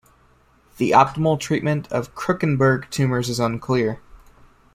The optimal treatment of Krukenberg tumors is unclear.